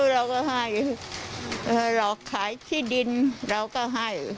เราก็ให้หลอกขายที่ดินเราก็ให้